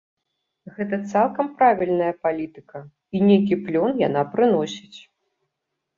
Гэта цалкам правільная палітыка, і нейкі плён яна прыносіць.